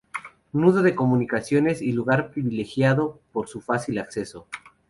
Nudo de comunicaciones y lugar privilegiado por su fácil acceso.